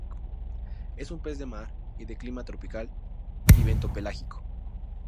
Es un pez de mar y de clima tropical y bentopelágico.